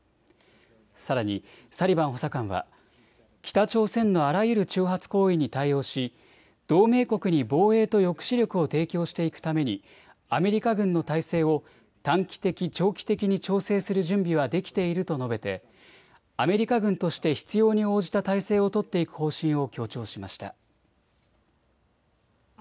さらにサリバン補佐官は北朝鮮のあらゆる挑発行為に対応し同盟国に防衛と抑止力を提供していくためにアメリカ軍の態勢を短期的、長期的に調整する準備はできていると述べてアメリカ軍として必要に応じた態勢を取っていく方針を強調しました。